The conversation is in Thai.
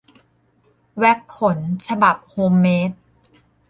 แว็กซ์ขน ฉบับโฮมเมด